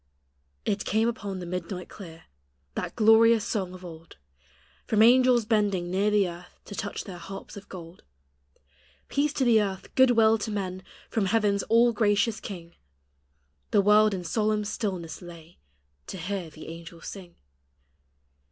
It came upon the midnight clear, That glorious song of old, From angels bending near the earth To touch their harps of gold :" Peace to the earth, good will to men From heaven's all gracious King!" The world in solemn stillness lay To hear the angels sing.